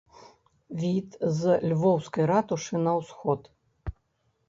Від з львоўскай ратушы на ўсход.